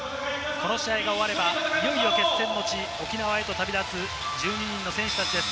この試合が終われば、いよいよ決戦の地、沖縄へと旅立つ１２人の選手たちです。